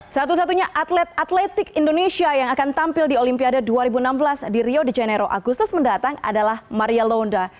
satu satunya atlet atletik indonesia yang akan tampil di olimpiade dua ribu enam belas di rio de janeiro agustus mendatang adalah maria londa